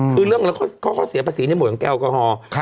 คือเรื่องว่าข้อศีลในหมวดของแก้วแอลกอฮอล์